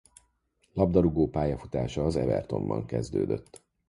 Labdarúgó pályafutása az Evertonban kezdődött.